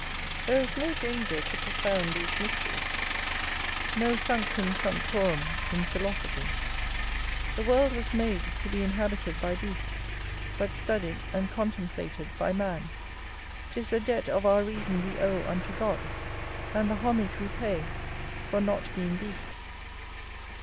There is no danger to profound these mysteries, no sanctum sanctorum in philosophy. The world was made to be inhabited by beasts, but studied and contemplated by man: 'tis the debt of our reason we owe unto God, and the homage we pay for not being beasts.